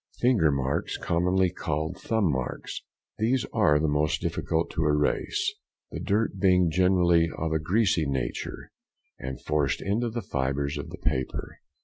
Finger marks, commonly called "thumb marks."—These are the most difficult to erase, the dirt being generally of a greasy nature, and forced into the fibres of the paper.